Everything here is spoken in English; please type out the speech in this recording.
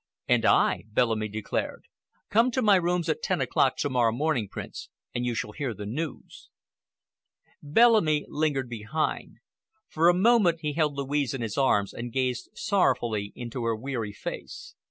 "And I," Bellamy declared. "Come to my rooms at ten o'clock tomorrow morning, Prince, and you shall hear the news." Bellamy lingered behind. For a moment he held Louise in his arms and gazed sorrowfully into her weary face.